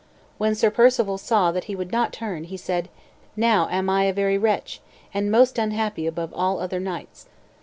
When Sir Perceval saw that he would not turn, he said, "Now am I a very wretch, and most unhappy above all other knights."